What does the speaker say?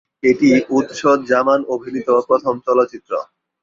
এটি উৎস জামান অভিনীত প্রথম চলচ্চিত্র।